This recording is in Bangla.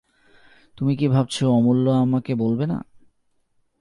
তুমি কি ভাবছ অমূল্য আমাকে বলবে না?